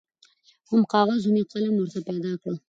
هم کاغذ هم یې قلم ورته پیدا کړ